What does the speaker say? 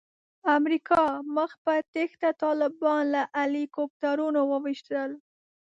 امریکا مخ په تېښته طالبان له هیلي کوپټرونو وویشتل.